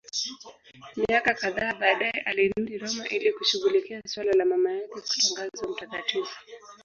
Miaka kadhaa baadaye alirudi Roma ili kushughulikia suala la mama yake kutangazwa mtakatifu.